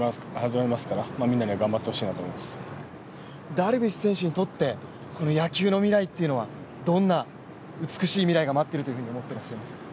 ダルビッシュ選手にとって野球の未来というのはどんな美しい未来が待っていると思いますか？